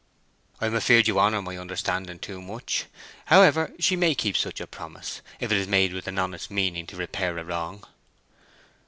"I am afeard you honour my understanding too much. However, she may keep such a promise, if it is made with an honest meaning to repair a wrong."